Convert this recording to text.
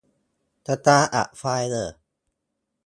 Start a Fire.